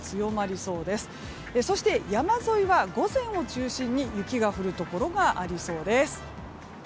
そして、山沿いは午前を中心に雪が降るところがありそうです。